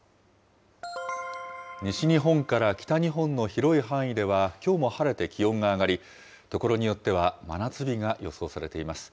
西日本から北日本の広い範囲では、きょうも晴れて気温が上がり、所によっては真夏日が予想されています。